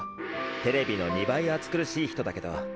テレビの２倍暑苦しい人だけど。